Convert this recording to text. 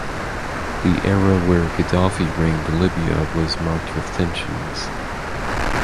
The era where Gaddafi reigned Libya was marked with tensions.